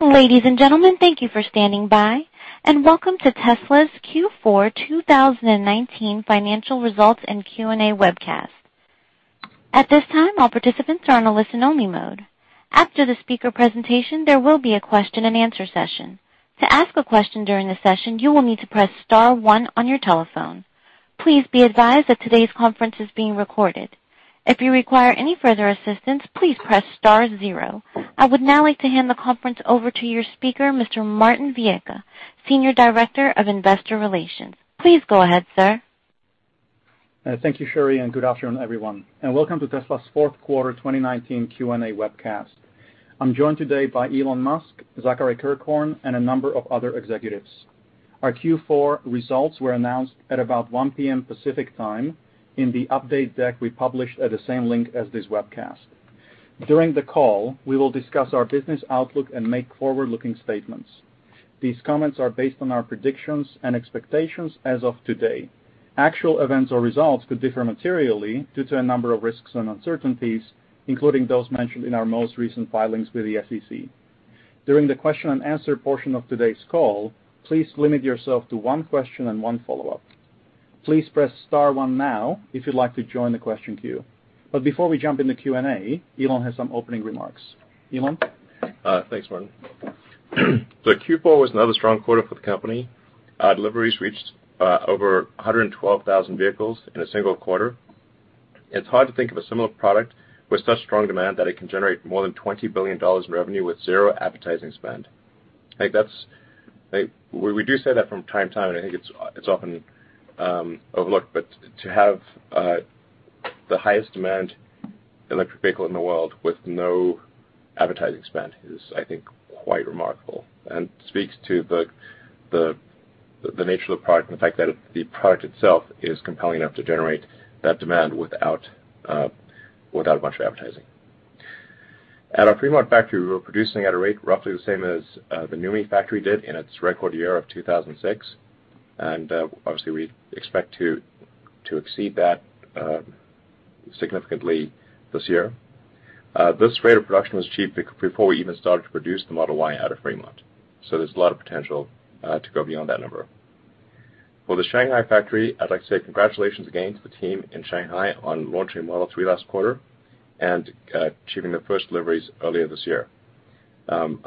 Ladies and gentlemen, thank you for standing by and welcome to Tesla's Q4 2019 financial results and Q&A webcast. At this time, all participants are on a listen only mode. After the speaker presentation, there will be a question-and-answer session. To ask a question during the session, you will need to press star one on your telephone. Please be advised that today's conference is being recorded. If you require any further assistance, please press star zero. I would now like to hand the conference over to your speaker, Mr. Martin Viecha, Senior Director of Investor Relations. Please go ahead, sir. Thank you, Sherry, and good afternoon, everyone, and welcome to Tesla's fourth quarter 2019 Q&A webcast. I'm joined today by Elon Musk, Zachary Kirkhorn, and a number of other executives. Our Q4 results were announced at about 1:00 P.M. Pacific Time in the update deck we published at the same link as this webcast. During the call, we will discuss our business outlook and make forward-looking statements. These comments are based on our predictions and expectations as of today. Actual events or results could differ materially due to a number of risks and uncertainties, including those mentioned in our most recent filings with the SEC. During the question-and-answer portion of today's call, please limit yourself to one question and one follow-up. Please press star one now if you'd like to join the question queue. Before we jump in the Q&A, Elon has some opening remarks. Elon? Thanks, Martin. Q4 was another strong quarter for the company. Deliveries reached over 112,000 vehicles in a single quarter. It's hard to think of a similar product with such strong demand that it can generate more than $20 billion in revenue with zero advertising spend. We do say that from time to time, and I think it's often overlooked, but to have the highest demand electric vehicle in the world with no advertising spend is, I think, quite remarkable and speaks to the nature of the product and the fact that the product itself is compelling enough to generate that demand without a bunch of advertising. At our Fremont factory, we're producing at a rate roughly the same as the NUMMI factory did in its record year of 2006, and obviously we expect to exceed that significantly this year. This rate of production was achieved before we even started to produce the Model Y out of Fremont. There's a lot of potential to go beyond that number. For the Shanghai factory, I'd like to say congratulations again to the team in Shanghai on launching Model 3 last quarter and achieving the first deliveries earlier this year. I'm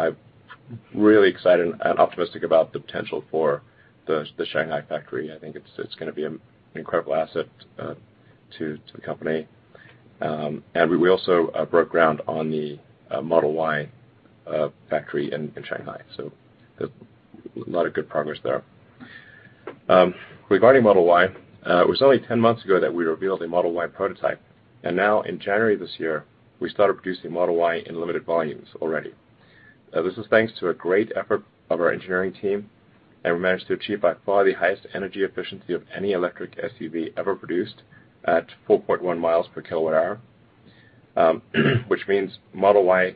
really excited and optimistic about the potential for the Shanghai factory. I think it's going to be an incredible asset to the company. We also broke ground on the Model Y factory in Shanghai. A lot of good progress there. Regarding Model Y, it was only 10 months ago that we revealed a Model Y prototype. Now in January this year, we started producing Model Y in limited volumes already. This is thanks to a great effort of our engineering team. We managed to achieve by far the highest energy efficiency of any electric SUV ever produced at 4.1 miles per kilowatt hour, which means Model Y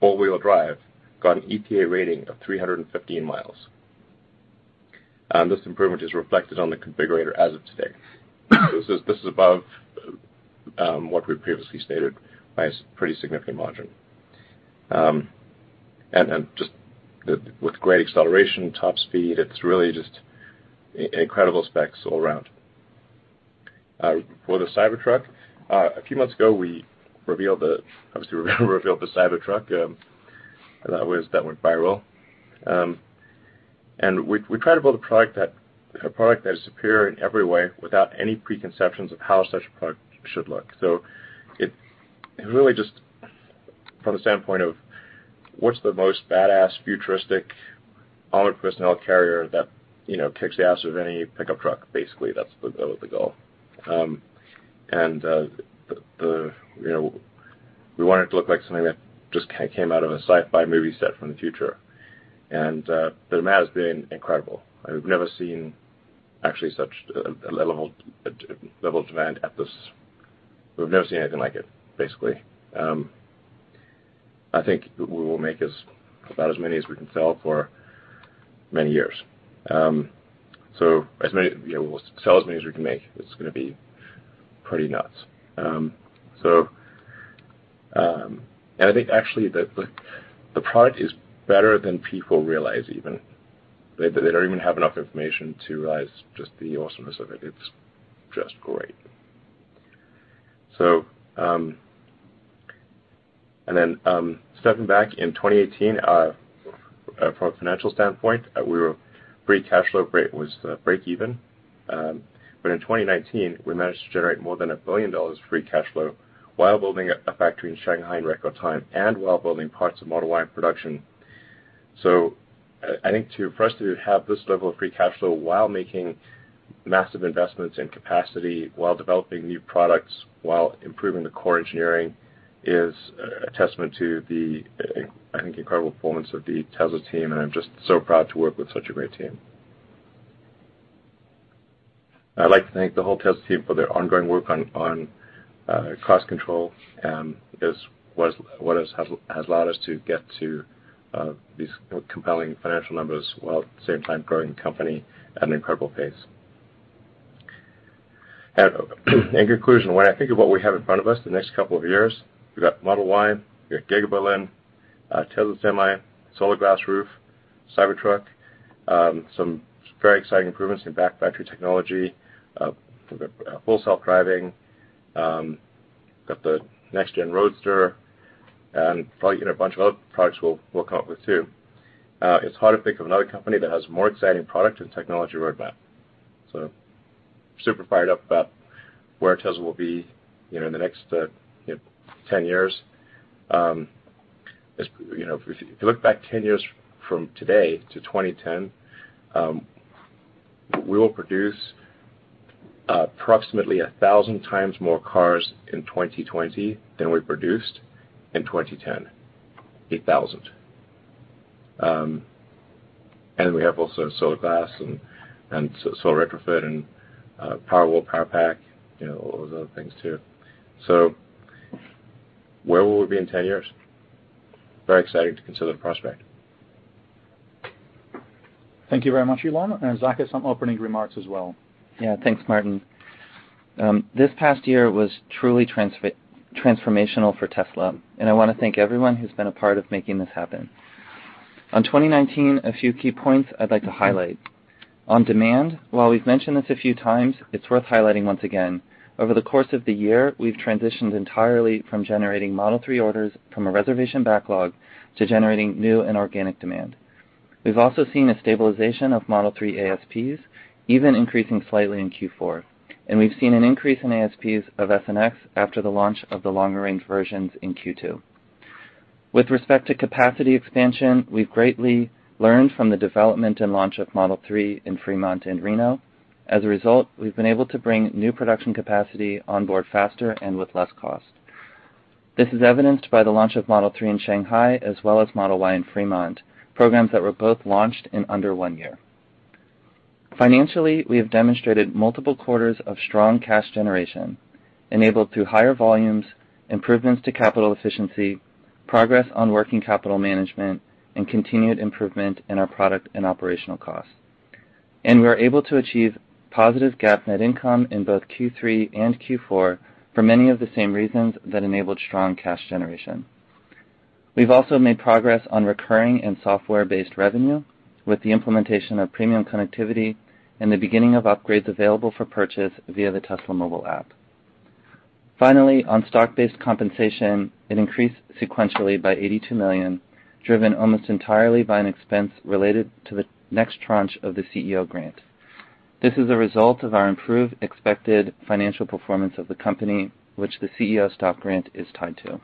four-wheel drive got an EPA rating of 315 miles. This improvement is reflected on the configurator as of today. This is above what we've previously stated by a pretty significant margin. Just with great acceleration, top speed, it's really just incredible specs all around. For the Cybertruck, a few months ago, we obviously revealed the Cybertruck. That went viral. We try to build a product that is superior in every way without any preconceptions of how such a product should look. Really just from the standpoint of what's the most badass, futuristic, armored personnel carrier that kicks the ass of any pickup truck, basically. That was the goal. We want it to look like something that just came out of a sci-fi movie set from the future. The demand has been incredible. We've never seen actually such a level of demand. We've never seen anything like it, basically. I think we will make about as many as we can sell for many years. We'll sell as many as we can make. It's going to be pretty nuts. I think actually the product is better than people realize even. They don't even have enough information to realize just the awesomeness of it. It's just great. Then stepping back, in 2018, from a financial standpoint, our free cash flow was breakeven. In 2019, we managed to generate more than $1 billion of free cash flow while building a factory in Shanghai in record time and while building parts of Model Y in production. I think for us to have this level of free cash flow while making massive investments in capacity, while developing new products, while improving the core engineering, is a testament to the, I think, incredible performance of the Tesla team, and I'm just so proud to work with such a great team. I'd like to thank the whole Tesla team for their ongoing work on cost control, what has allowed us to get to these compelling financial numbers while at the same time growing the company at an incredible pace. In conclusion, when I think of what we have in front of us the next couple of years, we've got Model Y, we have Giga Berlin, Tesla Semi, Solar Roof, Cybertruck, some very exciting improvements in battery technology, Full Self-Driving, got the next-gen Roadster, and probably a bunch of other products we'll come up with, too. It's hard to think of another company that has a more exciting product and technology roadmap. Super fired up about where Tesla will be in the next 10 years. If you look back 10 years from today to 2010, we will produce approximately 1,000x more cars in 2020 than we produced in 2010, 8,000. We have also Solar Roof and solar retrofit and Powerwall Powerpack, all those other things, too. Where will we be in 10 years? Very exciting to consider the prospect. Thank you very much, Elon. Zach has some opening remarks as well. Yeah. Thanks, Martin. This past year was truly transformational for Tesla, and I want to thank everyone who's been a part of making this happen. On 2019, a few key points I'd like to highlight. On demand, while we've mentioned this a few times, it's worth highlighting once again. Over the course of the year, we've transitioned entirely from generating Model 3 orders from a reservation backlog to generating new and organic demand. We've also seen a stabilization of Model 3 ASPs, even increasing slightly in Q4, and we've seen an increase in ASPs of S and X after the launch of the longer range versions in Q2. With respect to capacity expansion, we've greatly learned from the development and launch of Model 3 in Fremont and Reno. As a result, we've been able to bring new production capacity on board faster and with less cost. This is evidenced by the launch of Model 3 in Shanghai as well as Model Y in Fremont, programs that were both launched in under one year. Financially, we have demonstrated multiple quarters of strong cash generation enabled through higher volumes, improvements to capital efficiency, progress on working capital management, and continued improvement in our product and operational costs. We are able to achieve positive GAAP net income in both Q3 and Q4 for many of the same reasons that enabled strong cash generation. We've also made progress on recurring and software-based revenue with the implementation of Premium Connectivity and the beginning of upgrades available for purchase via the Tesla mobile app. On stock-based compensation, it increased sequentially by $82 million, driven almost entirely by an expense related to the next tranche of the CEO grant. This is a result of our improved expected financial performance of the company, which the CEO stock grant is tied to.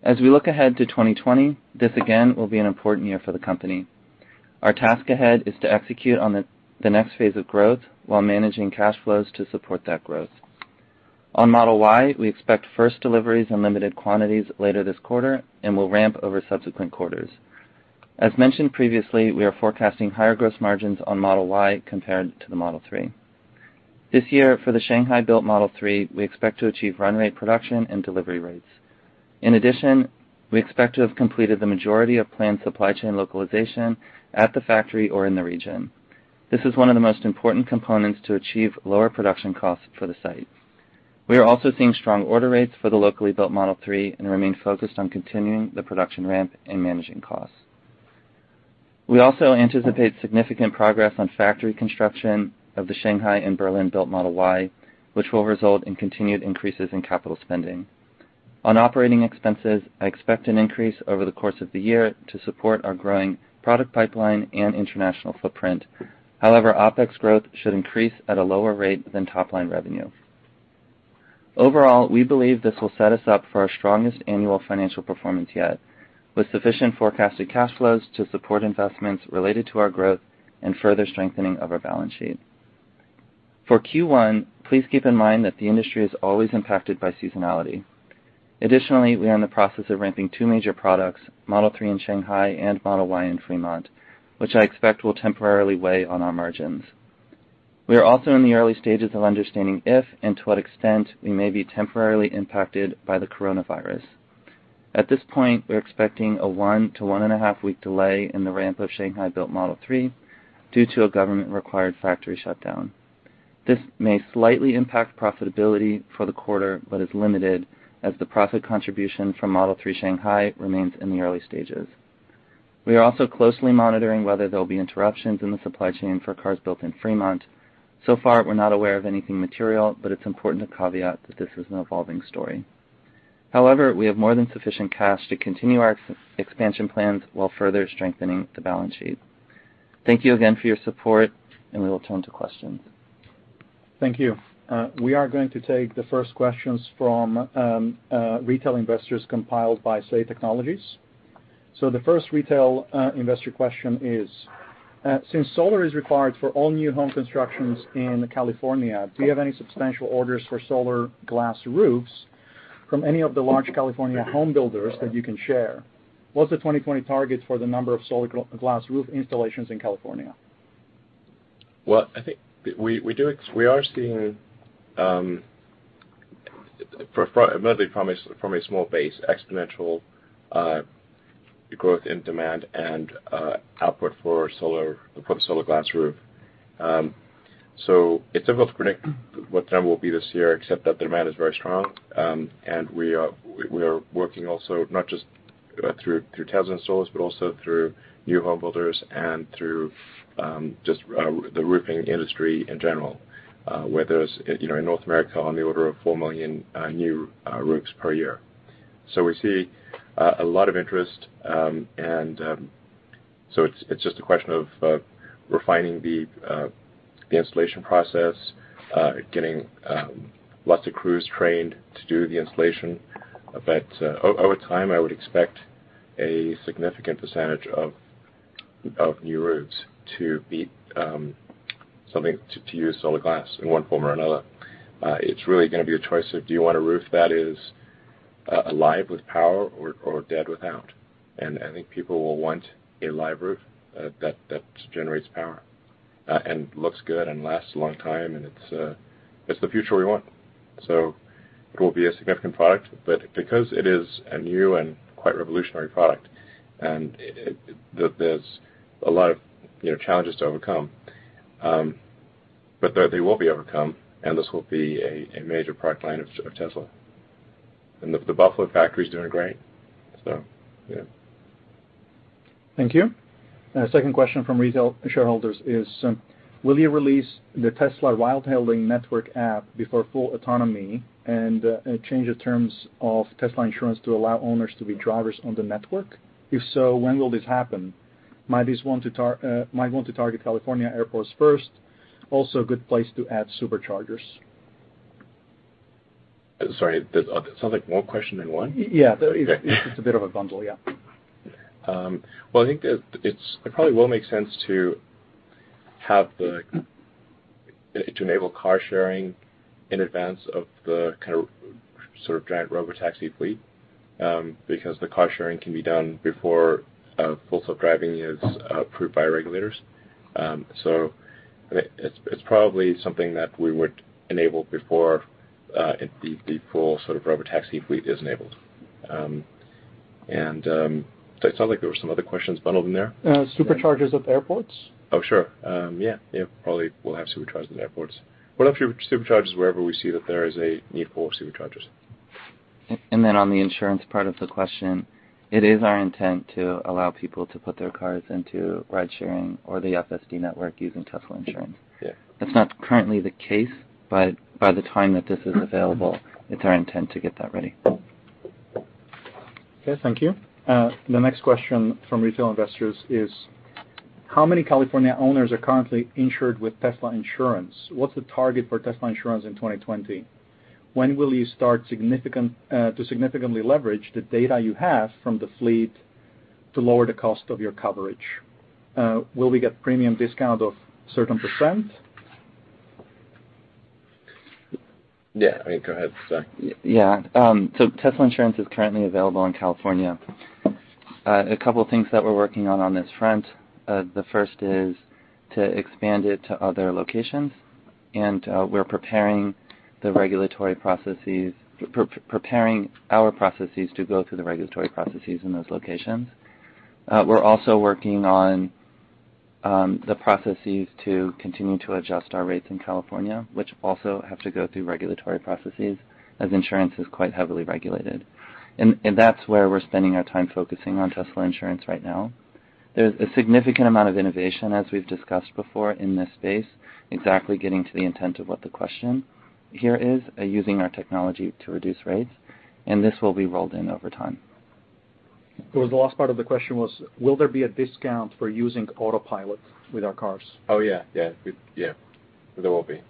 As we look ahead to 2020, this again will be an important year for the company. Our task ahead is to execute on the next phase of growth while managing cash flows to support that growth. On Model Y, we expect first deliveries in limited quantities later this quarter and will ramp over subsequent quarters. As mentioned previously, we are forecasting higher gross margins on Model Y compared to the Model 3. This year for the Shanghai-built Model 3, we expect to achieve run rate production and delivery rates. In addition, we expect to have completed the majority of planned supply chain localization at the factory or in the region. This is one of the most important components to achieve lower production costs for the site. We are also seeing strong order rates for the locally built Model 3 and remain focused on continuing the production ramp and managing costs. We also anticipate significant progress on factory construction of the Shanghai- and Berlin-built Model Y, which will result in continued increases in capital spending. On operating expenses, I expect an increase over the course of the year to support our growing product pipeline and international footprint. However, OpEx growth should increase at a lower rate than top-line revenue. Overall, we believe this will set us up for our strongest annual financial performance yet, with sufficient forecasted cash flows to support investments related to our growth and further strengthening of our balance sheet. For Q1, please keep in mind that the industry is always impacted by seasonality. Additionally, we are in the process of ramping two major products, Model 3 in Shanghai and Model Y in Fremont, which I expect will temporarily weigh on our margins. We are also in the early stages of understanding if and to what extent we may be temporarily impacted by the coronavirus. At this point, we're expecting a one to one and a half week delay in the ramp of Shanghai-built Model 3 due to a government-required factory shutdown. This may slightly impact profitability for the quarter but is limited as the profit contribution from Model 3 Shanghai remains in the early stages. We are also closely monitoring whether there will be interruptions in the supply chain for cars built in Fremont. So far, we're not aware of anything material, but it's important to caveat that this is an evolving story. However, we have more than sufficient cash to continue our expansion plans while further strengthening the balance sheet. Thank you again for your support, and we will turn to questions. Thank you. We are going to take the first questions from retail investors compiled by Say Technologies. The first retail investor question is, "Since solar is required for all new home constructions in California, do you have any substantial orders for Solar Glass Roofs from any of the large California home builders that you can share? What's the 2020 target for the number of Solar Glass Roof installations in California? I think we are seeing primarily from a small base, exponential growth in demand and output for the Solar Roof. It's difficult to predict what demand will be this year except that demand is very strong. We are working also not just through Tesla installers, but also through new home builders and through just the roofing industry in general, where there's, in North America, on the order of 4 million new roofs per year. We see a lot of interest, and so it's just a question of refining the installation process, getting lots of crews trained to do the installation. Over time, I would expect a significant percentage of new roofs to use solar glass in one form or another. It's really going to be a choice of, do you want a roof that is alive with power or dead without? I think people will want a live roof that generates power and looks good and lasts a long time. It's the future we want. It will be a significant product, but because it is a new and quite revolutionary product, and there's a lot of challenges to overcome, but they will be overcome, and this will be a major product line of Tesla. The Buffalo factory's doing great. Yeah. Thank you. Second question from retail shareholders is, will you release the Tesla ride-hailing network app before full autonomy and change the terms of Tesla insurance to allow owners to be drivers on the network? If so, when will this happen? Might want to target California airports first, also a good place to add Superchargers. Sorry, that sounds like more question than one. Yeah. Okay. It's a bit of a bundle, yeah. Well, I think it probably will make sense to enable car sharing in advance of the kind of sort of giant robotaxi fleet, because the car sharing can be done before Full Self-Driving is approved by regulators. It's probably something that we would enable before the full sort of robotaxi fleet is enabled. Did I sound like there were some other questions bundled in there? Supercharger at the airports. Oh, sure. Yeah. Probably we'll have Supercharger in airports. We'll have Supercharger wherever we see that there is a need for Supercharger. On the insurance part of the question, it is our intent to allow people to put their cars into ride-sharing or the FSD network using Tesla insurance. Yeah. That's not currently the case, but by the time that this is available, it's our intent to get that ready. Okay, thank you. The next question from retail investors is, how many California owners are currently insured with Tesla Insurance? What's the target for Tesla Insurance in 2020? When will you start to significantly leverage the data you have from the fleet to lower the cost of your coverage? Will we get premium discount of certain %? Yeah, I mean, go ahead, Zach. Tesla Insurance is currently available in California. A couple things that we're working on on this front, the first is to expand it to other locations, and we're preparing our processes to go through the regulatory processes in those locations. We're also working on the processes to continue to adjust our rates in California, which also have to go through regulatory processes as insurance is quite heavily regulated. That's where we're spending our time focusing on Tesla Insurance right now. There's a significant amount of innovation, as we've discussed before, in this space, exactly getting to the intent of what the question here is, using our technology to reduce rates, and this will be rolled in over time. Well, the last part of the question was, will there be a discount for using Autopilot with our cars? Oh, yeah. There will be.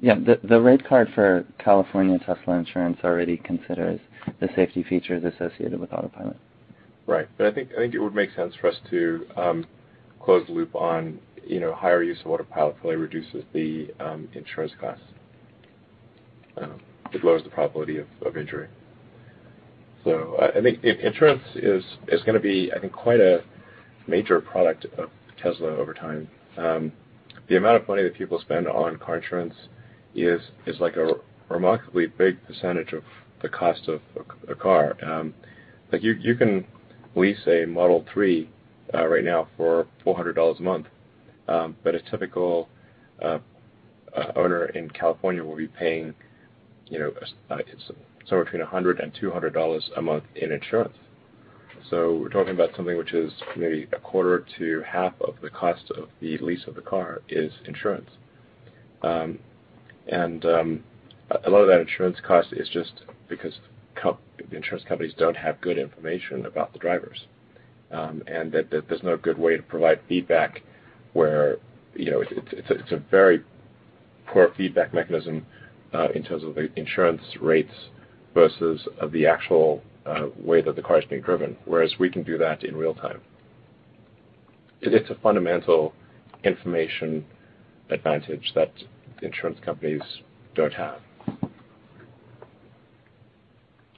Yeah, the rate card for California Tesla insurance already considers the safety features associated with Autopilot. Right. I think it would make sense for us to close the loop on higher use of Autopilot probably reduces the insurance cost. It lowers the probability of injury. I think insurance is going to be quite a major product of Tesla over time. The amount of money that people spend on car insurance is a remarkably big percentage of the cost of a car. You can lease a Model 3 right now for $400 a month, but a typical owner in California will be paying somewhere between $100 and $200 a month in insurance. We're talking about something which is maybe a quarter to half of the cost of the lease of the car is insurance. A lot of that insurance cost is just because insurance companies don't have good information about the drivers, and that there's no good way to provide feedback where it's a very poor feedback mechanism in terms of the insurance rates versus of the actual way that the car is being driven, whereas we can do that in real time. It is a fundamental information advantage that insurance companies don't have.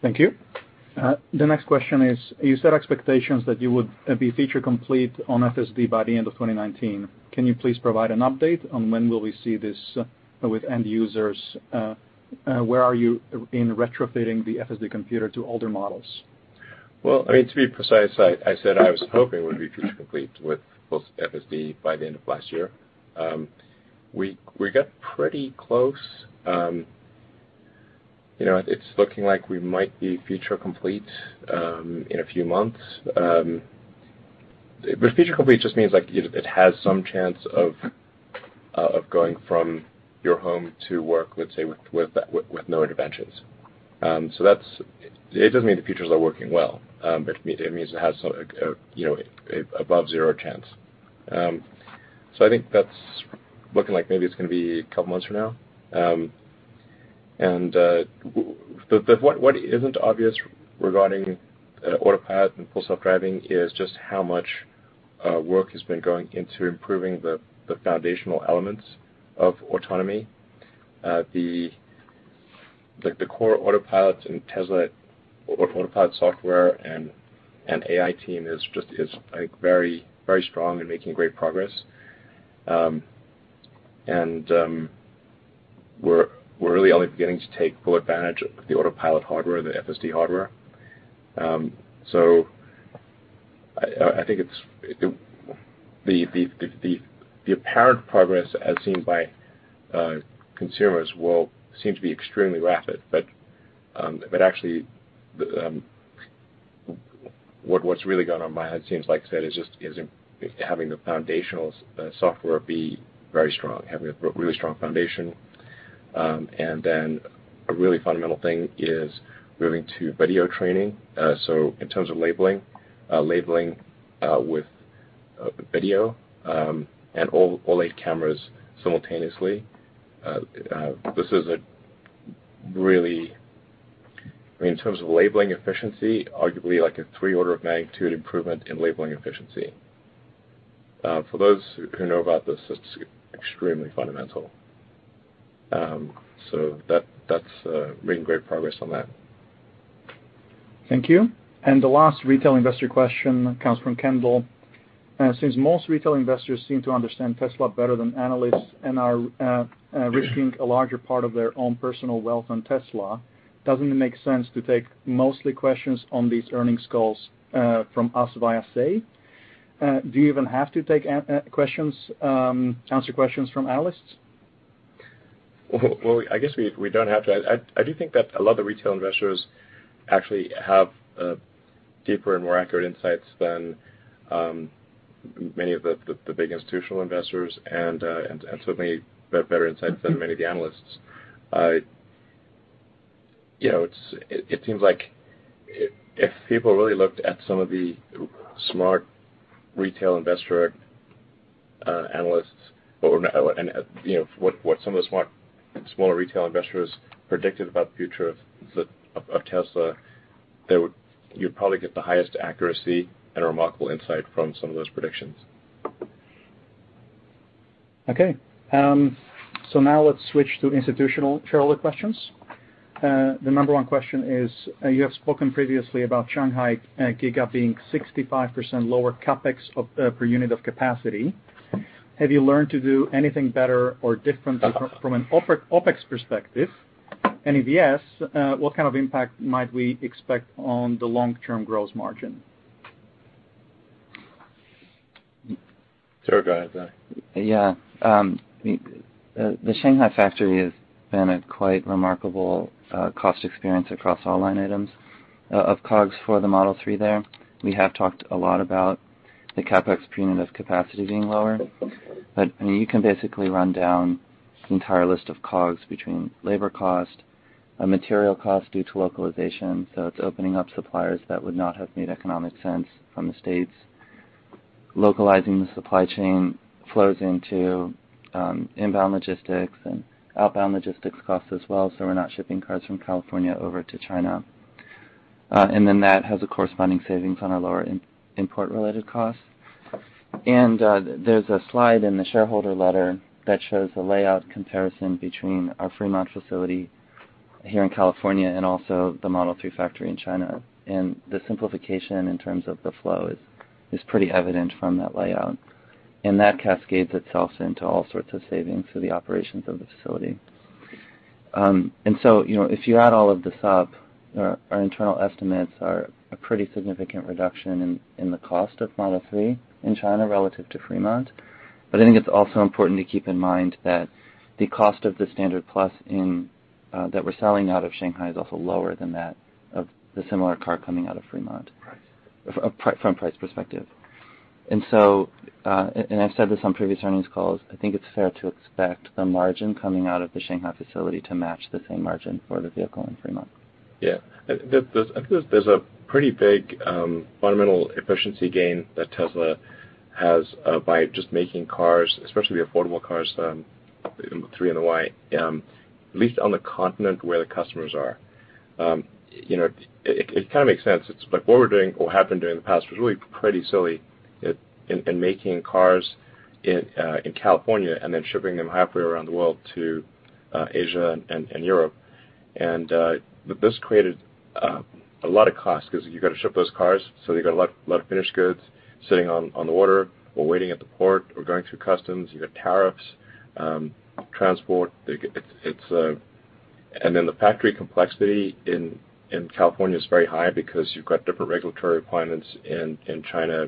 Thank you. The next question is, you set expectations that you would be feature complete on FSD by the end of 2019. Can you please provide an update on when will we see this with end users? Where are you in retrofitting the FSD Computer to older models? Well, to be precise, I said I was hoping we'd be feature complete with post FSD by the end of last year. We got pretty close. It's looking like we might be feature complete in a few months. Feature complete just means it has some chance of going from your home to work, let's say, with no interventions. It doesn't mean the features are working well, but it means it has above zero chance. I think that's looking like maybe it's going to be a couple of months from now. What isn't obvious regarding Autopilot and Full Self-Driving is just how much work has been going into improving the foundational elements of autonomy. The core Autopilot and Tesla Autopilot software and AI team is very strong and making great progress. We're really only beginning to take full advantage of the Autopilot hardware, the FSD hardware. I think the apparent progress as seen by consumers will seem to be extremely rapid. Actually, what's really going on behind the scenes, like I said, is just having the foundational software be very strong, having a really strong foundation. Then a really fundamental thing is moving to video training. In terms of labeling with video and all eight cameras simultaneously. This is a really, in terms of labeling efficiency, arguably like a three order of magnitude improvement in labeling efficiency. For those who know about this, it's extremely fundamental. That's making great progress on that. Thank you. The last retail investor question comes from Kendall. Since most retail investors seem to understand Tesla better than analysts and are risking a larger part of their own personal wealth on Tesla, doesn't it make sense to take mostly questions on these earnings calls from us via Say? Do you even have to answer questions from analysts? Well, I guess we don't have to. I do think that a lot of the retail investors actually have deeper and more accurate insights than many of the big institutional investors, and certainly better insights than many of the analysts. It seems like if people really looked at some of the smart retail investor analysts and what some of the smart smaller retail investors predicted about the future of Tesla, you'd probably get the highest accuracy and remarkable insight from some of those predictions. Now let's switch to institutional shareholder questions. The number one question is, you have spoken previously about Shanghai Giga being 65% lower CapEx per unit of capacity. Have you learned to do anything better or different from an OpEx perspective? If yes, what kind of impact might we expect on the long-term gross margin? Sure, go ahead, Zach. Yeah. The Shanghai Factory has been a quite remarkable cost experience across all line items of COGS for the Model 3 there. We have talked a lot about the CapEx per unit of capacity being lower. You can basically run down the entire list of COGS between labor cost and material cost due to localization. It's opening up suppliers that would not have made economic sense from the U.S., localizing the supply chain flows into inbound logistics and outbound logistics costs as well. We're not shipping cars from California over to China. That has a corresponding savings on our lower import-related costs. There's a slide in the shareholder letter that shows the layout comparison between our Fremont Facility here in California and also the Model 3 factory in China. The simplification in terms of the flow is pretty evident from that layout. That cascades itself into all sorts of savings for the operations of the facility. If you add all of this up, our internal estimates are a pretty significant reduction in the cost of Model 3 in China relative to Fremont. I think it's also important to keep in mind that the cost of the Standard Plus that we're selling out of Shanghai is also lower than that of the similar car coming out of Fremont. Price. From price perspective. I've said this on previous earnings calls, I think it's fair to expect the margin coming out of the Shanghai facility to match the same margin for the vehicle in Fremont. Yeah. I think there's a pretty big fundamental efficiency gain that Tesla has by just making cars, especially affordable cars, three and the Y, at least on the continent where the customers are. It makes sense. It's like what we're doing or happened during the past was really pretty silly. It, and making cars in California and then shipping them halfway around the world to Asia and Europe. This created a lot of cost because you've got to ship those cars, so you've got a lot of finished goods sitting on the water or waiting at the port or going through customs. You've got tariffs, transport. The factory complexity in California is very high because you've got different regulatory requirements in China,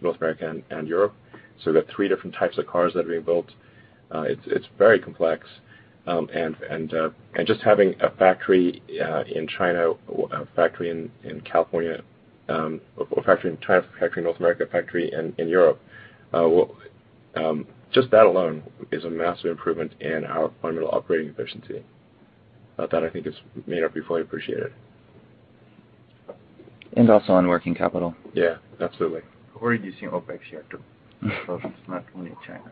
North America, and Europe. You got three different types of cars that are being built. It's very complex. Just having a factory in China, a factory in California, a factory in China, factory in North America, a factory in Europe, just that alone is a massive improvement in our fundamental operating efficiency. That I think is may not be fully appreciated. Also on working capital. Yeah, absolutely. We're reducing OpEx here, too. It's not only China.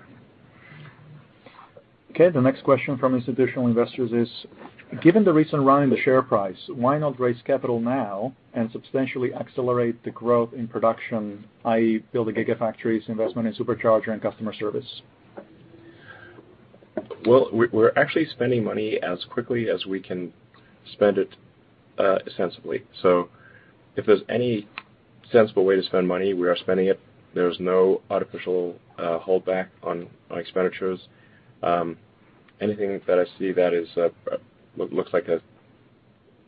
Okay. The next question from institutional investors is, given the recent run in the share price, why not raise capital now and substantially accelerate the growth in production, i.e., build the Gigafactories, investment in Supercharger and customer service? Well, we're actually spending money as quickly as we can spend it sensibly. If there's any sensible way to spend money, we are spending it. There's no artificial holdback on expenditures. Anything that I see that looks like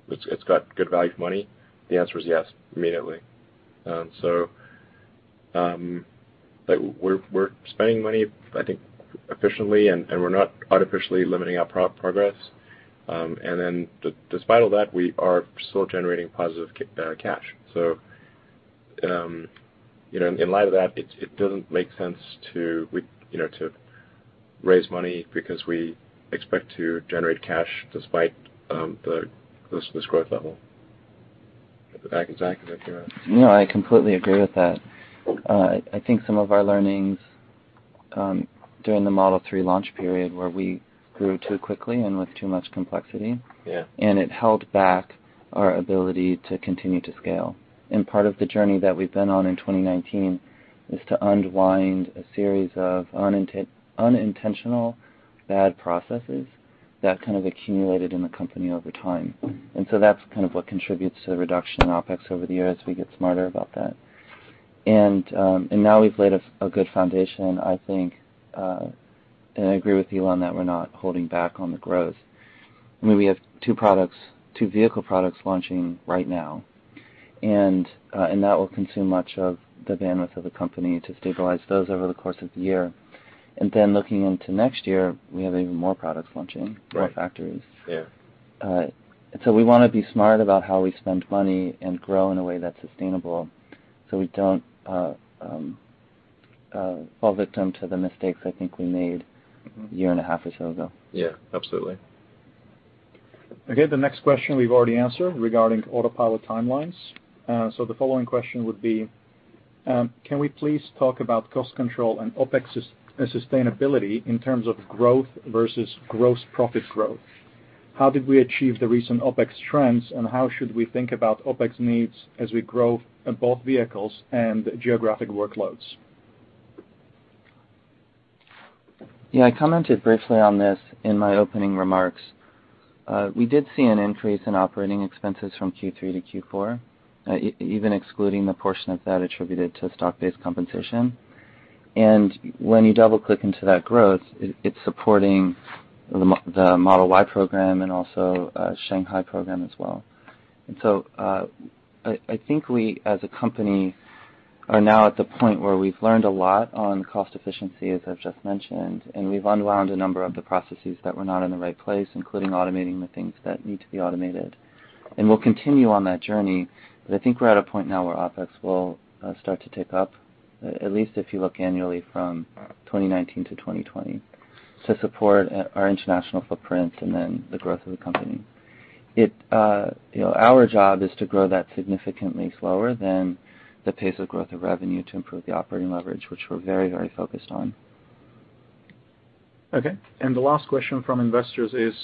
it's got good value for money, the answer is yes, immediately. We're spending money, I think, efficiently, and we're not artificially limiting our progress. Despite all that, we are still generating positive cash. In light of that, it doesn't make sense to raise money because we expect to generate cash despite this growth level. Zach, anything to add? I completely agree with that. I think some of our learnings during the Model 3 launch period, where we grew too quickly and with too much complexity. Yeah It held back our ability to continue to scale. Part of the journey that we've been on in 2019 is to unwind a series of unintentional bad processes that kind of accumulated in the company over time. That's kind of what contributes to the reduction in OpEx over the year as we get smarter about that. Now we've laid a good foundation, I think, and I agree with you, Elon, that we're not holding back on the growth. I mean, we have two products, two vehicle products launching right now, and that will consume much of the bandwidth of the company to stabilize those over the course of the year. Then looking into next year, we have even more products launching. Right more factories. Yeah. We want to be smart about how we spend money and grow in a way that's sustainable so we don't fall victim to the mistakes I think we made a year and a half or so ago. Yeah, absolutely. The next question we've already answered regarding Autopilot timelines. The following question would be, can we please talk about cost control and OpEx sustainability in terms of growth versus gross profit growth? How did we achieve the recent OpEx trends, and how should we think about OpEx needs as we grow both vehicles and geographic workloads? Yeah, I commented briefly on this in my opening remarks. We did see an increase in operating expenses from Q3 to Q4, even excluding the portion of that attributed to stock-based compensation. When you double-click into that growth, it's supporting the Model Y program and also Shanghai program as well. I think we, as a company, are now at the point where we've learned a lot on cost efficiency, as I've just mentioned, and we've unwound a number of the processes that were not in the right place, including automating the things that need to be automated. We'll continue on that journey, but I think we're at a point now where OpEx will start to tick up, at least if you look annually from 2019 to 2020, to support our international footprint and then the growth of the company. Our job is to grow that significantly slower than the pace of growth of revenue to improve the operating leverage, which we're very focused on. Okay. The last question from investors is,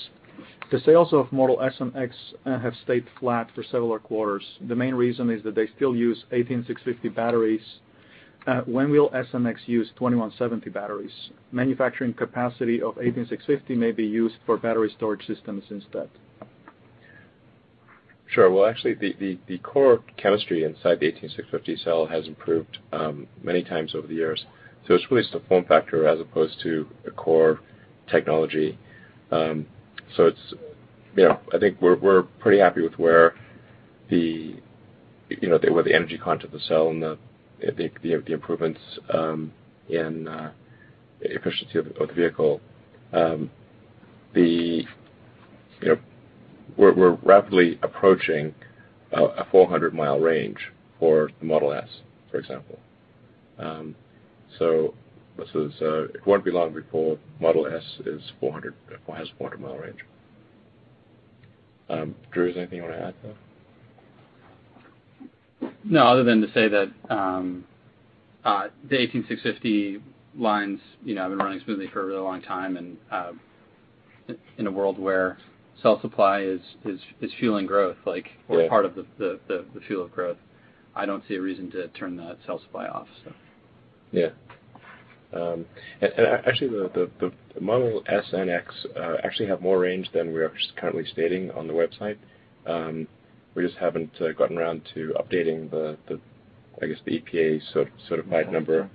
the sales of Model S and X have stayed flat for several quarters. The main reason is that they still use 18650 batteries. When will S and X use 2170 batteries? Manufacturing capacity of 18650 may be used for battery storage systems instead. Sure. Well, actually, the core chemistry inside the 18650 cell has improved many times over the years. It's really just a form factor as opposed to a core technology. I think we're pretty happy with where the energy content of the cell and the improvements in the efficiency of the vehicle. We're rapidly approaching a 400-mile range for the Model S, for example. It won't be long before Model S has 400-mile range. Drew, is there anything you want to add to that? No, other than to say that the 18650 lines have been running smoothly for a really long time, and in a world where cell supply is fueling growth- Yeah Part of the fuel of growth, I don't see a reason to turn that cell supply off. Yeah. Actually, the Model S and X actually have more range than we are just currently stating on the website. We just haven't gotten around to updating the, I guess, the EPA certified number.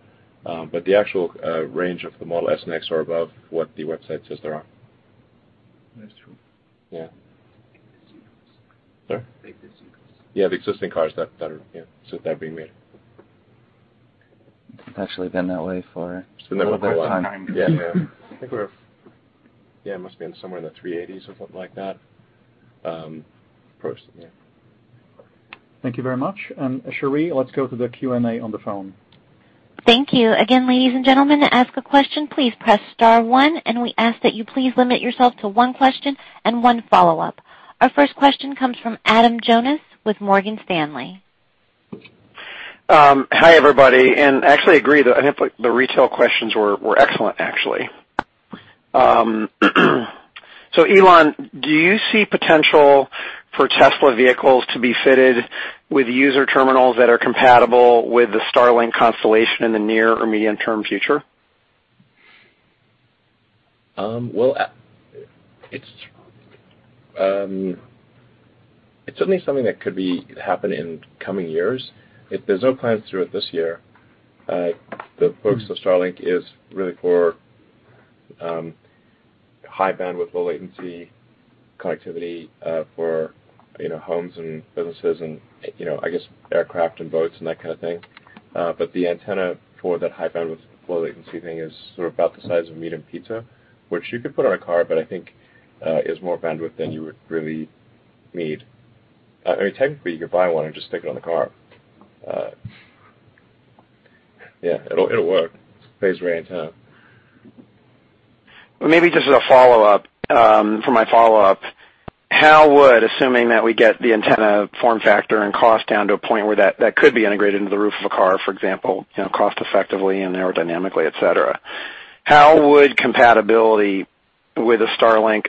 The actual range of the Model S and X are above what the website says they are. That's true. Yeah. Like the S models. Sorry? Like the S models. Yeah, the existing cars that are being made. It's actually been that way. It's been that way for a while. a long time. Yeah. Yeah, it must be in somewhere in the 380s or something like that. Approximately, yeah. Thank you very much. Sherry, let's go to the Q&A on the phone. Thank you. Again, ladies and gentlemen, to ask a question, please press star one. We ask that you please limit yourself to one question and one follow-up. Our first question comes from Adam Jonas with Morgan Stanley. Hi, everybody. Actually agree, I think the retail questions were excellent, actually. Elon, do you see potential for Tesla vehicles to be fitted with user terminals that are compatible with the Starlink constellation in the near or medium-term future? Well, it's certainly something that could happen in the coming years. There's no plans to do it this year. The focus of Starlink is really for high bandwidth, low latency connectivity for homes and businesses and, I guess, aircraft and boats and that kind of thing. The antenna for that high bandwidth low latency thing is sort of about the size of a medium pizza, which you could put on a car, but I think is more bandwidth than you would really need. I mean, technically you could buy one and just stick it on the car. Yeah, it'll work. It's a phase array antenna. Well, maybe just as a follow-up, for my follow-up, how would, assuming that we get the antenna form factor and cost down to a point where that could be integrated into the roof of a car, for example, cost effectively and aerodynamically, et cetera. How would compatibility with a Starlink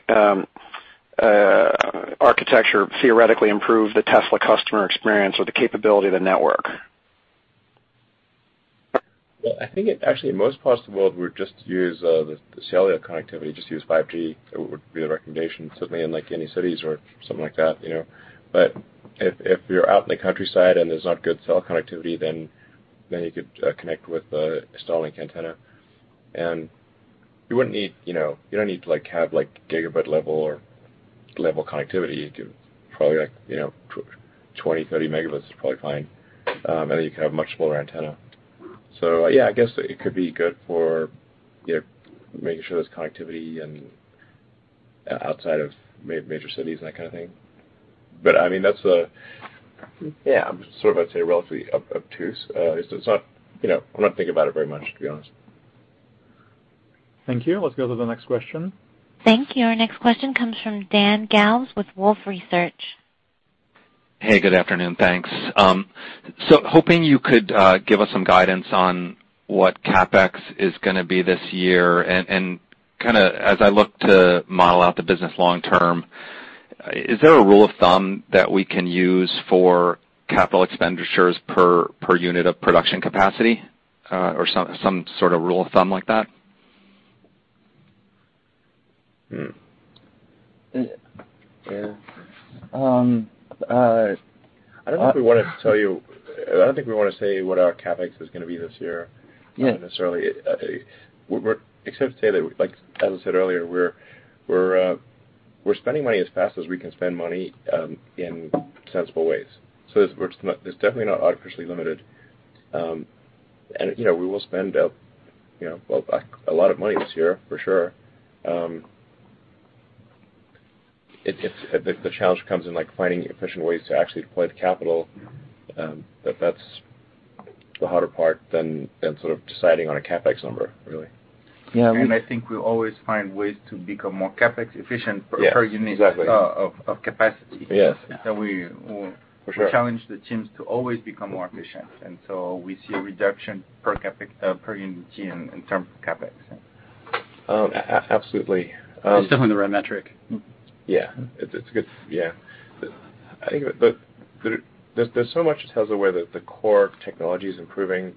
architecture theoretically improve the Tesla customer experience or the capability of the network? Well, I think it actually, in most parts of the world, we would just use the cellular connectivity, just use 5G, it would be the recommendation, certainly in like any cities or something like that. If you're out in the countryside and there's not good cell connectivity, then you could connect with a Starlink antenna. You wouldn't need to have gigabit level connectivity. You could probably, like 20, 30 megabits is probably fine. You could have a much smaller antenna. Yeah, I guess it could be good for making sure there's connectivity and outside of major cities and that kind of thing. I mean, that's a Yeah, I'm sort of, I'd say, relatively obtuse. I'm not thinking about it very much, to be honest. Thank you. Let's go to the next question. Thank you. Our next question comes from Dan Galves with Wolfe Research. Hey, good afternoon. Thanks. Hoping you could give us some guidance on what CapEx is going to be this year and kind of as I look to model out the business long term, is there a rule of thumb that we can use for capital expenditures per unit of production capacity? Or some sort of rule of thumb like that? Yeah. I don't think we want to say what our CapEx is going to be this year. Yeah necessarily. Except to say that, as I said earlier, we're spending money as fast as we can spend money, in sensible ways. It's definitely not artificially limited. We will spend a lot of money this year, for sure. The challenge comes in finding efficient ways to actually deploy the capital. That's the harder part than sort of deciding on a CapEx number, really. I think we always find ways to become more CapEx efficient. Yes. Exactly. per unit of capacity. Yes. And we will- For sure. challenge the teams to always become more efficient. We see a reduction per unit in terms of CapEx. Absolutely. It's definitely the right metric. Yeah. It's good, yeah. There's so much at Tesla where the core technology's improving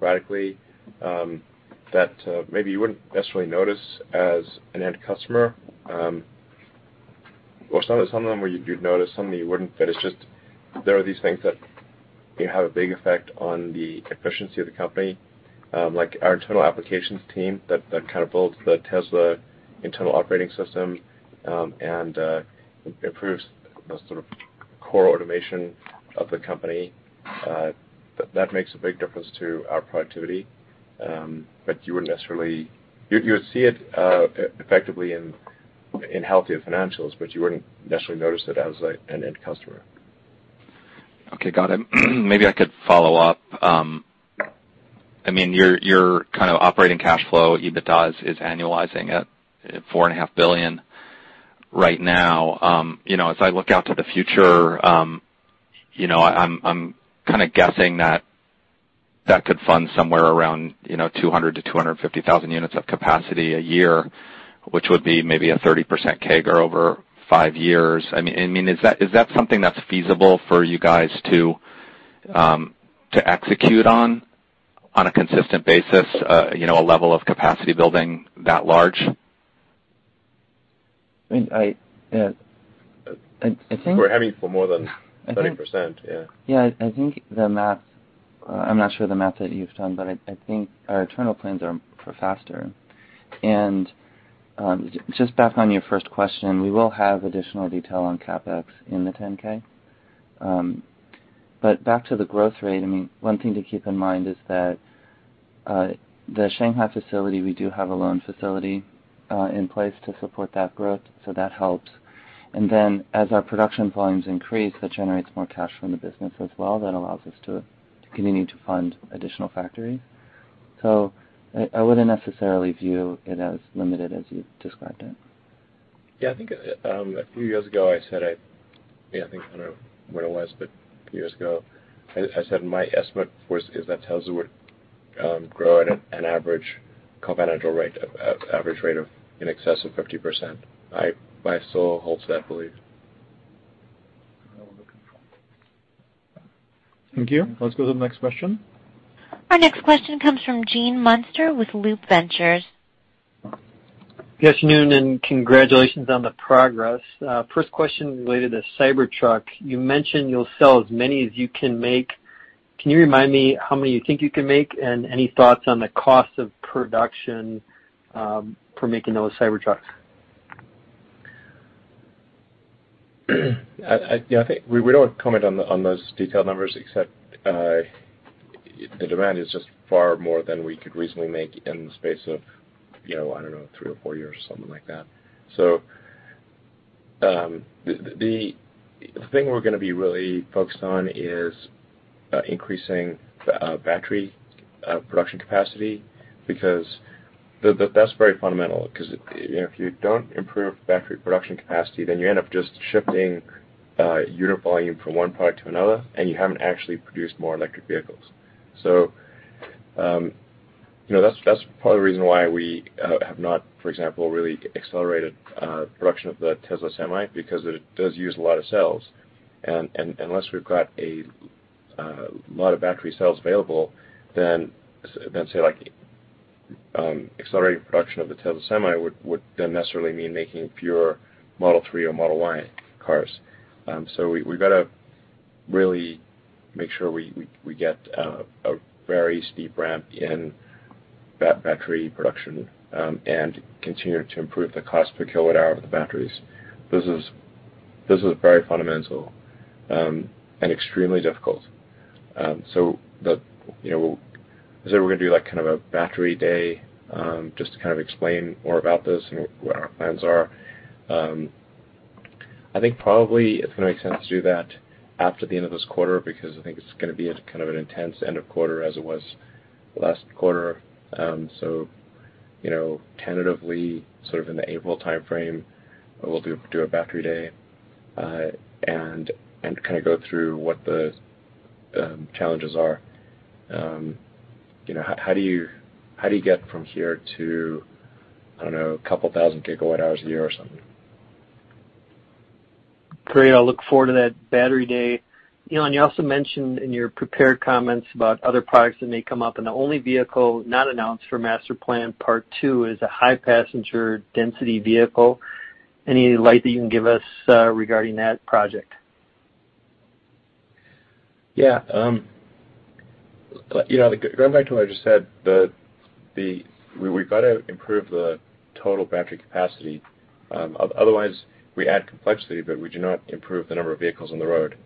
radically, that maybe you wouldn't necessarily notice as an end customer. Well, some of them you'd notice, some of them you wouldn't. It's just there are these things that have a big effect on the efficiency of the company. Like our internal applications team that kind of builds the Tesla internal operating system, and improves the sort of core automation of the company. That makes a big difference to our productivity. You would see it effectively in healthier financials, but you wouldn't necessarily notice it as an end customer. Okay, got it. Maybe I could follow up. Your kind of operating cash flow EBITDA is annualizing at $four and a half billion right now. As I look out to the future, I'm kind of guessing that could fund somewhere around 200,000-250,000 units of capacity a year, which would be maybe a 30% CAGR over five years. Is that something that's feasible for you guys to execute on a consistent basis, a level of capacity building that large? I think- We're heading for more than 30%, yeah. Yeah, I think the math I'm not sure the math that you've done, but I think our internal plans are for faster. Just back on your first question, we will have additional detail on CapEx in the 10-K. Back to the growth rate, one thing to keep in mind is that the Shanghai facility, we do have a loan facility in place to support that growth, so that helps. As our production volumes increase, that generates more cash from the business as well. That allows us to continue to fund additional factories. I wouldn't necessarily view it as limited as you described it. Yeah, I think a few years ago, I said, I think I don't know where it was, but a few years ago, I said my estimate was is that Tesla would grow at an average compound annual rate of in excess of 50%. I still hold to that belief. Thank you. Let's go to the next question. Our next question comes from Gene Munster with Loup Ventures. Good afternoon, congratulations on the progress. First question related to Cybertruck. You mentioned you'll sell as many as you can make. Can you remind me how many you think you can make, any thoughts on the cost of production for making those Cybertrucks? We don't comment on those detailed numbers, except the demand is just far more than we could reasonably make in the space of, I don't know, three or four years or something like that. The thing we're going to be really focused on is increasing battery production capacity, because that's very fundamental. If you don't improve battery production capacity, then you end up just shifting unit volume from one product to another, and you haven't actually produced more electric vehicles. That's part of the reason why we have not, for example, really accelerated production of the Tesla Semi, because it does use a lot of cells. Unless we've got a lot of battery cells available, then say, accelerating production of the Tesla Semi would then necessarily mean making fewer Model 3 or Model Y cars. We've got to really make sure we get a very steep ramp in that battery production and continue to improve the cost per kilowatt hour of the batteries. This is very fundamental and extremely difficult. I said we're going to do a Battery Day just to explain more about this and what our plans are. I think probably it's going to make sense to do that after the end of this quarter, because I think it's going to be an intense end of quarter as it was last quarter. Tentatively in the April timeframe, we'll do a Battery Day and go through what the challenges are. How do you get from here to, I don't know, a couple thousand kilowatt hours a year or something? Great. I look forward to that Battery Day. You also mentioned in your prepared comments about other products that may come up, and the only vehicle not announced for Master Plan, Part Deux is a high passenger density vehicle. Any light that you can give us regarding that project? Yeah. Going back to what I just said, we've got to improve the total battery capacity. Otherwise, we add complexity, but we do not improve the number of vehicles on the road.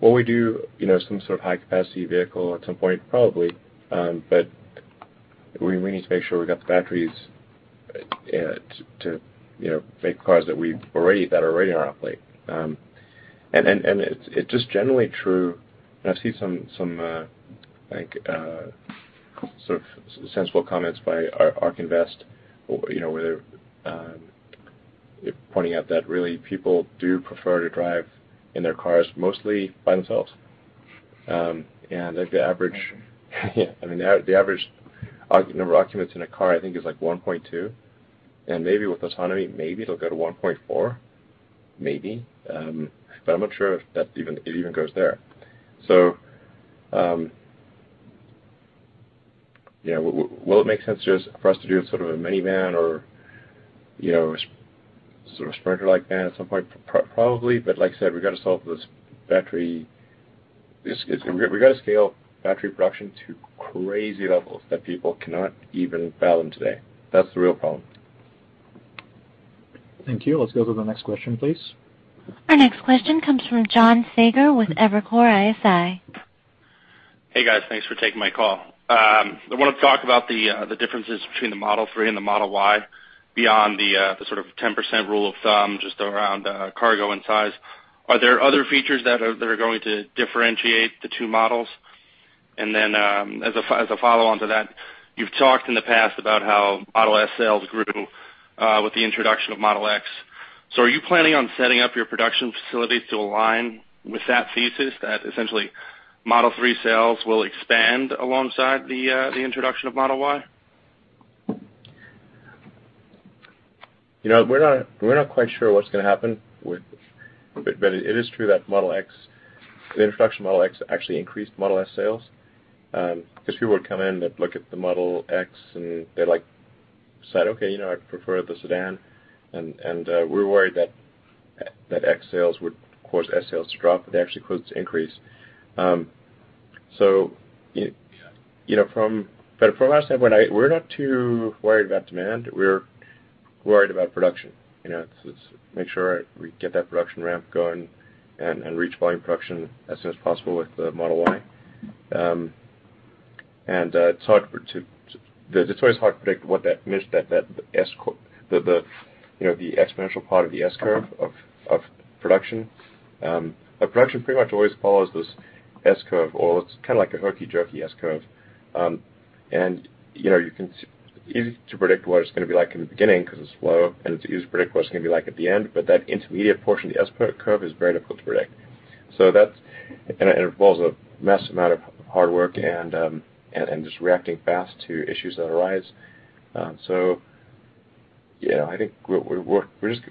Will we do some sort of high capacity vehicle at some point? Probably. We need to make sure we got the batteries to make cars that we've already, that are already on our plate. It's just generally true, and I see some sort of sensible comments by ARK Invest, where they're pointing out that really people do prefer to drive in their cars mostly by themselves. Yeah. The average number of occupants in a car, I think, is like 1.2. Maybe with autonomy, maybe it'll go to 1.4. Maybe. I'm not sure if that even goes there. Will it make sense just for us to do a sort of a minivan or a sprinter-like van at some point? Probably. Like I said, we've got to solve this battery We've got to scale battery production to crazy levels that people cannot even fathom today. That's the real problem. Thank you. Let's go to the next question, please. Our next question comes from John Saager with Evercore ISI. Hey, guys. Thanks for taking my call. I want to talk about the differences between the Model 3 and the Model Y beyond the sort of 10% rule of thumb, just around cargo and size. Are there other features that are going to differentiate the two models? As a follow-on to that, you've talked in the past about how Model S sales grew with the introduction of Model X. Are you planning on setting up your production facilities to align with that thesis, that essentially Model 3 sales will expand alongside the introduction of Model Y? We're not quite sure what's going to happen with it, but it is true that the introduction of Model X actually increased Model S sales. People would come in, they'd look at the Model X and they decided, "Okay, I prefer the sedan." We were worried that X sales would cause S sales to drop, but they actually caused it to increase. From our standpoint, we're not too worried about demand. We're worried about production. Let's make sure we get that production ramp going and reach volume production as soon as possible with the Model Y. It's always hard to predict what that exponential part of the S curve of production. Production pretty much always follows this S curve, or it's like a herky-jerky S curve. It's easy to predict what it's going to be like in the beginning because it's slow, and it's easy to predict what it's going to be like at the end, but that intermediate portion of the S curve is very difficult to predict. It involves a massive amount of hard work and just reacting fast to issues that arise. I think we're just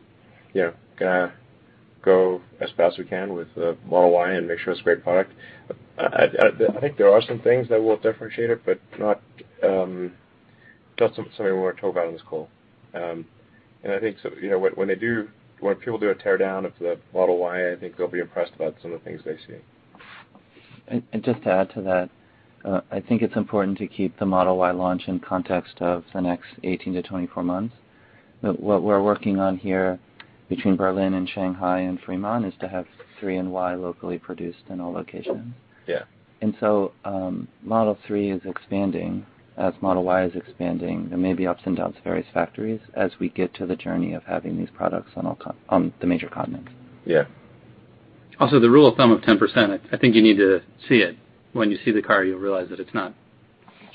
going to go as fast as we can with Model Y and make sure it's a great product. I think there are some things that will differentiate it, but not something we want to talk about on this call. I think when people do a tear-down of the Model Y, I think they'll be impressed about some of the things they see. Just to add to that, I think it's important to keep the Model Y launch in context of the next 18 to 24 months. What we're working on here between Berlin and Shanghai and Fremont is to have Model 3 and Y locally produced in all locations. Yeah. Model 3 is expanding as Model Y is expanding. There may be ups and downs at various factories as we get to the journey of having these products on the major continents. Yeah. The rule of thumb of 10%, I think you need to see it. When you see the car, you'll realize that it's not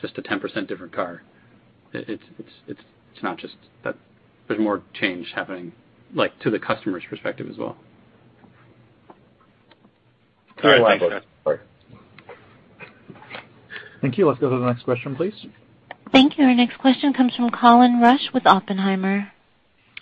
just a 10% different car. There's more change happening to the customer's perspective as well. Go ahead, Elon. Sorry. Thank you. Let's go to the next question, please. Thank you. Our next question comes from Colin Rusch with Oppenheimer.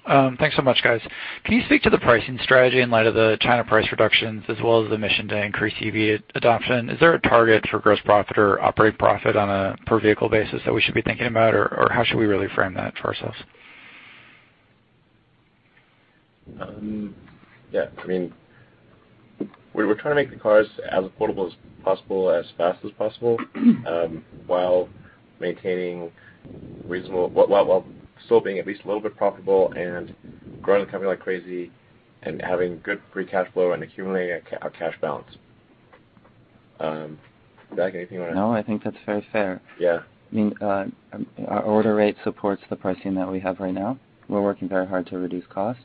Thanks so much, guys. Can you speak to the pricing strategy in light of the China price reductions as well as the mission to increase EV adoption? Is there a target for gross profit or operating profit on a per-vehicle basis that we should be thinking about, or how should we really frame that for ourselves? Yeah. We're trying to make the cars as affordable as possible, as fast as possible, while still being at least a little bit profitable and growing the company like crazy and having good free cash flow and accumulating a cash balance. Zach, anything you want to. No, I think that's very fair. Yeah. Our order rate supports the pricing that we have right now. We're working very hard to reduce costs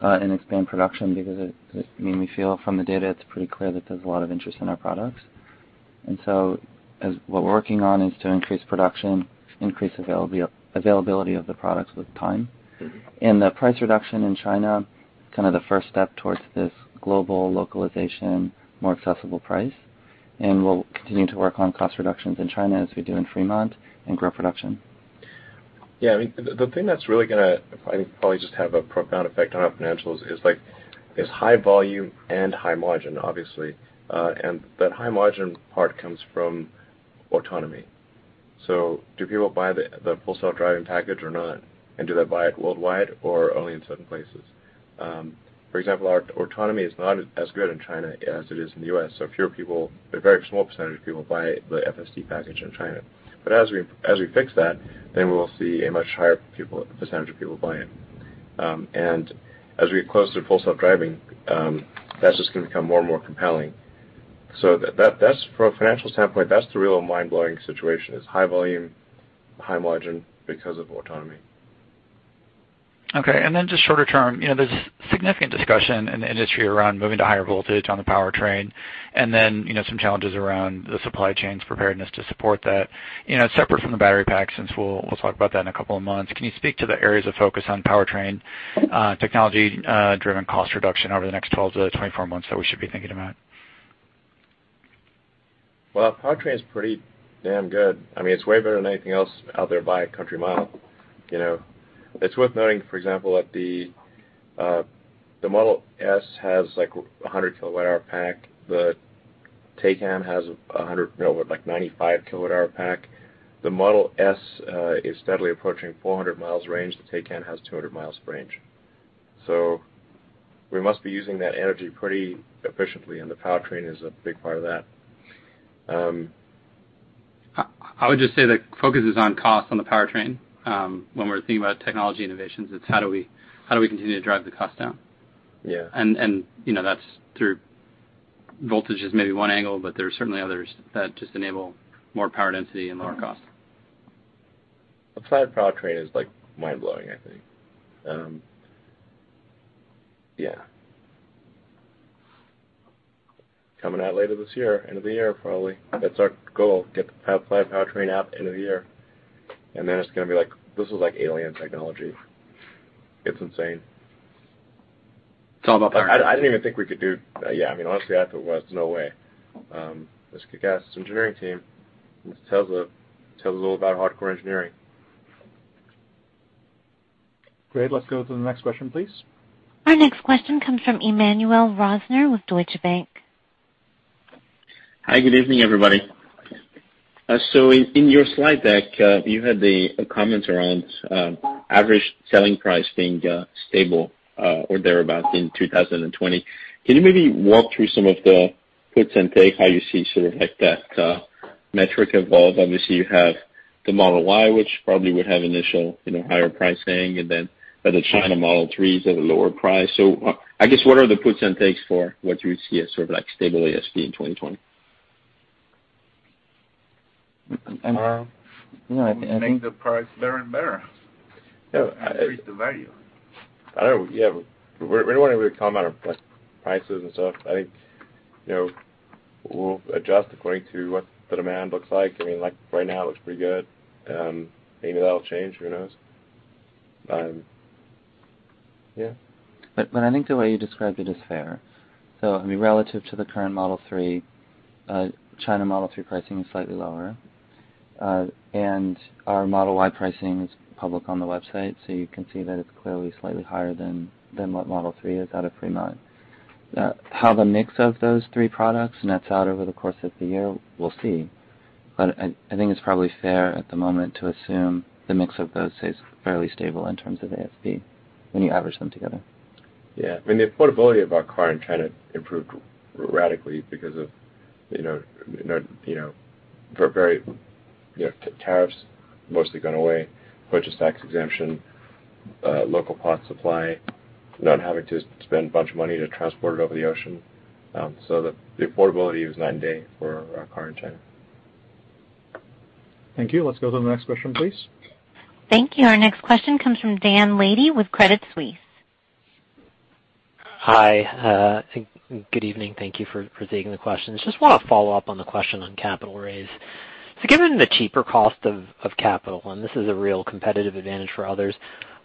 and expand production because we feel from the data, it's pretty clear that there's a lot of interest in our products. What we're working on is to increase production, increase availability of the products with time. The price reduction in China, kind of the first step towards this global localization, more accessible price. We'll continue to work on cost reductions in China as we do in Fremont and grow production. The thing that's really going to probably just have a profound effect on our financials is high volume and high margin, obviously. That high margin part comes from autonomy. Do people buy the Full Self-Driving package or not? Do they buy it worldwide or only in certain places? For example, our autonomy is not as good in China as it is in the U.S., so a very small % of people buy the FSD package in China. As we fix that, we will see a much higher % of people buy it. As we get closer to Full Self-Driving, that's just going to become more and more compelling. From a financial standpoint, that's the real mind-blowing situation, is high volume, high margin because of autonomy. Okay. Just shorter term, there's significant discussion in the industry around moving to higher voltage on the powertrain, and then some challenges around the supply chain's preparedness to support that. Separate from the battery pack since we'll talk about that in a couple of months, can you speak to the areas of focus on powertrain technology-driven cost reduction over the next 12-24 months that we should be thinking about? Well, powertrain is pretty damn good. It's way better than anything else out there by country mile. It's worth noting, for example, that the Model S has like 100 kWh pack. The Taycan has like 95 kWh pack. The Model S is steadily approaching 400 miles range. The Taycan has 200 miles range. We must be using that energy pretty efficiently, and the powertrain is a big part of that. I would just say the focus is on cost on the powertrain. When we're thinking about technology innovations, it's how do we continue to drive the cost down? Yeah. That's through voltages, maybe one angle, but there are certainly others that just enable more power density and lower cost. Plaid powertrain is mind-blowing, I think. Yeah. Coming out later this year, end of the year probably. That's our goal, have five powertrain out end of the year. It's going to be like, this is like alien technology. It's insane. It's all about power. I didn't even think we could do Yeah, honestly, I thought there was no way. This kickass engineering team. This tells a little about hardcore engineering. Great. Let's go to the next question, please. Our next question comes from Emmanuel Rosner with Deutsche Bank. Hi, good evening, everybody. In your slide deck, you had the comments around average selling price being stable, or thereabout, in 2020. Can you maybe walk through some of the puts and takes, how you see sort of that metric evolve? Obviously, you have the Model Y, which probably would have initial higher pricing, and then the China Model 3s at a lower price. I guess, what are the puts and takes for what you see as sort of stable ASP in 2020? Um- Make the price better and better. Increase the value. Yeah. We don't want to really comment on prices and stuff. I think we'll adjust according to what the demand looks like. Right now, it looks pretty good. Maybe that'll change, who knows? Yeah. I think the way you described it is fair. Relative to the current Model 3, China Model 3 pricing is slightly lower. Our Model Y pricing is public on the website, so you can see that it's clearly slightly higher than what Model 3 is at a Fremont. How the mix of those three products nets out over the course of the year, we'll see. I think it's probably fair at the moment to assume the mix of those stays fairly stable in terms of ASP when you average them together. Yeah. The affordability of our car in China improved radically because of tariffs mostly gone away, purchase tax exemption, local parts supply, not having to spend a bunch of money to transport it over the ocean. The affordability is night and day for our car in China. Thank you. Let's go to the next question, please. Thank you. Our next question comes from Dan Levy with Credit Suisse. Hi. Good evening. Thank you for taking the question. Just want to follow up on the question on capital raise. Given the cheaper cost of capital, and this is a real competitive advantage for others,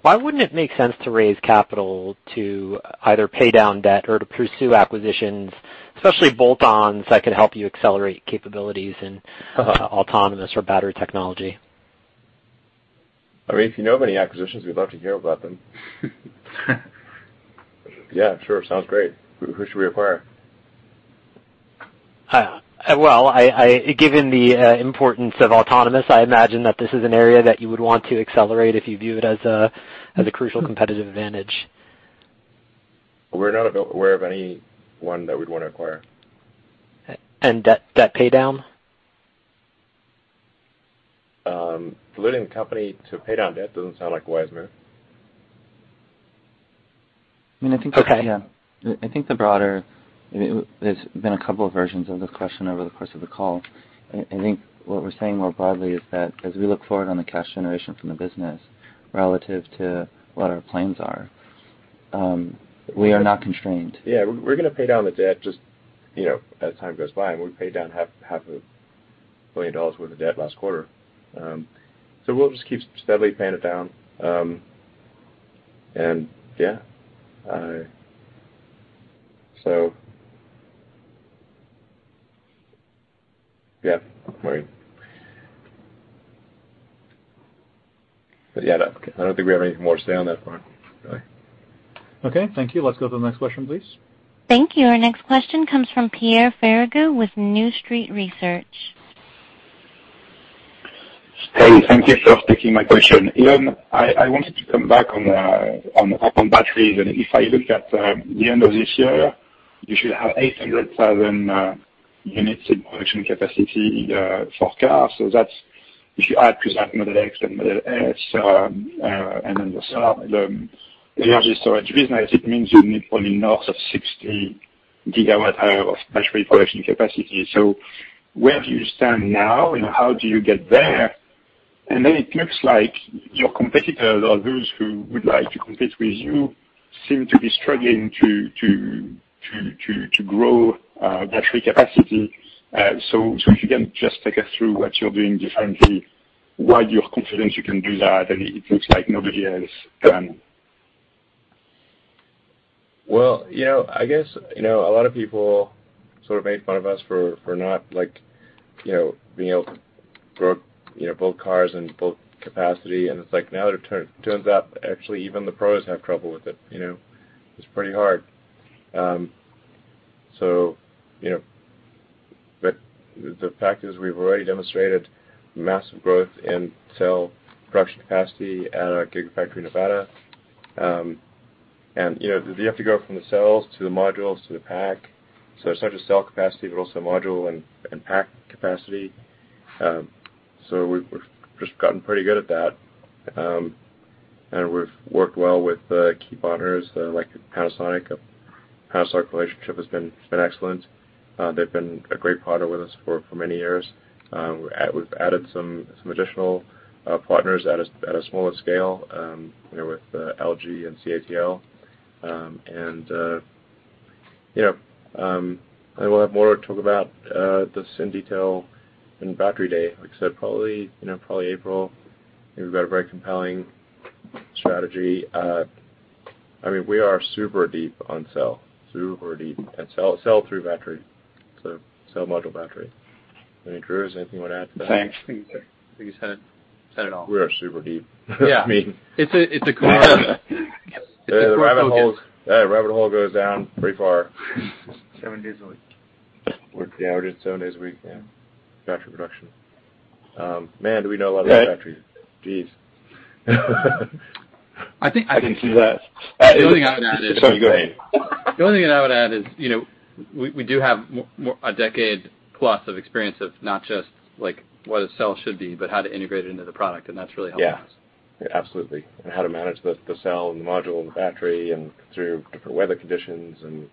why wouldn't it make sense to raise capital to either pay down debt or to pursue acquisitions, especially bolt-ons that could help you accelerate capabilities in autonomous or battery technology? If you know of any acquisitions, we'd love to hear about them. Yeah, sure. Sounds great. Who should we acquire? Well, given the importance of autonomous, I imagine that this is an area that you would want to accelerate if you view it as a crucial competitive advantage. We're not aware of any one that we'd want to acquire. Debt pay down? Diluting the company to pay down debt doesn't sound like a wise move. Okay. Yeah. I think the broader, there has been a couple of versions of the question over the course of the call. I think what we are saying more broadly is that as we look forward on the cash generation from the business relative to what our plans are, we are not constrained. Yeah. We're going to pay down the debt just as time goes by, and we paid down half a billion dollars worth of debt last quarter. We'll just keep steadily paying it down. Yeah. Yeah. I don't think we have anything more to say on that front, really. Okay, thank you. Let's go to the next question, please. Thank you. Our next question comes from Pierre Ferragu with New Street Research. Hey, thank you for taking my question. Elon, I wanted to come back on batteries. If I look at the end of this year, you should have 800,000 units in production capacity for cars. That's if you add to that Model X and Model S, then you sell the energy storage business, it means you need probably north of 60 gigawatt hour of battery production capacity. Where do you stand now? How do you get there? It looks like your competitors, or those who would like to compete with you, seem to be struggling to grow battery capacity. If you can just take us through what you're doing differently, why you're confident you can do that, and it looks like nobody else can. Well, I guess, a lot of people sort of made fun of us for not being able to grow both cars and both capacity. It's like now it turns out actually even the pros have trouble with it. It's pretty hard. The fact is we've already demonstrated massive growth in cell production capacity at our Gigafactory Nevada. You have to go from the cells to the modules to the pack. It's not just cell capacity, but also module and pack capacity. We've just gotten pretty good at that. We've worked well with key partners like Panasonic. Our relationship has been excellent. They've been a great partner with us for many years. We've added some additional partners at a smaller scale with LG and CATL. I will have more to talk about this in detail in Battery Day, like I said, probably April. We've got a very compelling strategy. We are super deep on cell, and cell through battery, so cell module battery. I mean, Drew, is there anything you want to add to that? Thanks. I think you said it all. We are super deep. Yeah. I mean- It's a Yeah, the rabbit hole goes down pretty far. Seven days a week. Work the average seven days a week. Yeah. Battery production. Man, do we know a lot about batteries. Geez. I think- I can see that. The only thing I would add is. Sorry, go ahead. The only thing that I would add is, we do have a decade plus of experience of not just what a cell should be, but how to integrate it into the product, and that's really helped us. Yeah. Absolutely. How to manage the cell, and the module, and the battery, and through different weather conditions, and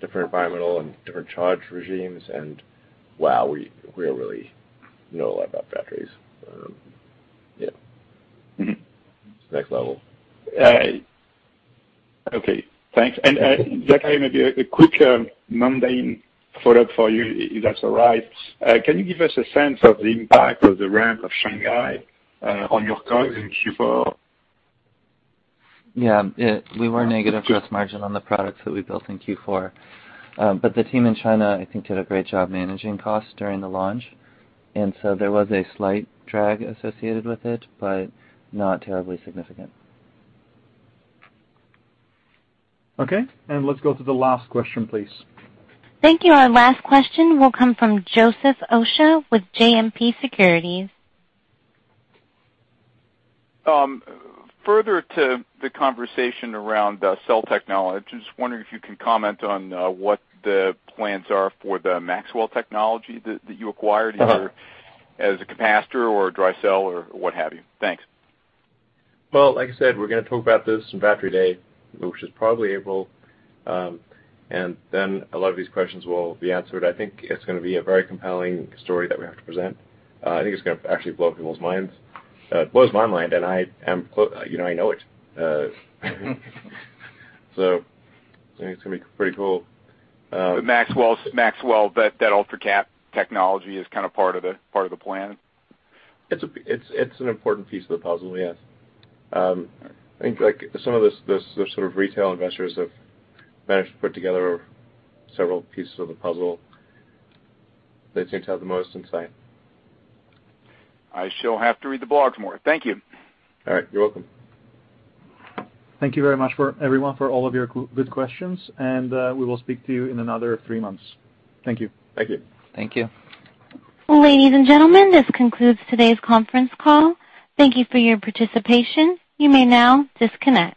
different environmental and different charge regimes, and wow, we really know a lot about batteries. Yeah. It's the next level. Okay, thanks. Zachary, maybe a quick mundane follow-up for you, if that's all right. Can you give us a sense of the impact of the ramp of Shanghai on your costs in Q4? Yeah. We were negative gross margin on the products that we built in Q4. The team in China, I think, did a great job managing costs during the launch. There was a slight drag associated with it, but not terribly significant. Okay. Let's go to the last question, please. Thank you. Our last question will come from Joseph Osha with JMP Securities. Further to the conversation around cell technology, just wondering if you can comment on what the plans are for the Maxwell technology that you acquired, either as a capacitor or a dry cell or what have you. Thanks. Well, like I said, we're going to talk about this on Battery Day, which is probably April, and then a lot of these questions will be answered. I think it's going to be a very compelling story that we have to present. I think it's going to actually blow people's minds. It blows my mind, and I know it. I think it's going to be pretty cool. The Maxwell, that UltraCap technology is kind of part of the plan? It's an important piece of the puzzle, yes. I think some of the sort of retail investors have managed to put together several pieces of the puzzle. They seem to have the most insight. I shall have to read the blogs more. Thank you. All right. You're welcome. Thank you very much, everyone, for all of your good questions, and we will speak to you in another three months. Thank you. Thank you. Thank you. Ladies and gentlemen, this concludes today's conference call. Thank you for your participation. You may now disconnect.